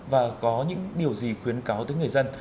và có những điều gì khuyến cáo tới người dân